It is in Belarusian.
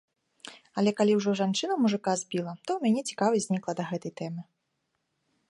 Але калі ўжо жанчына мужыка збіла, то ў мяне цікавасць знікла да гэтай тэмы.